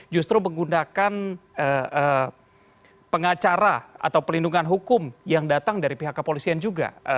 justru menggunakan pengacara atau pelindungan hukum yang datang dari pihak kepolisian juga